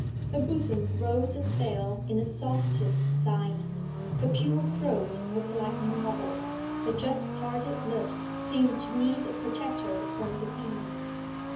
Her bosom rose and fell in the softest sighing; her pure throat was like marble, and her just parted lips seemed to need a protector from the bees....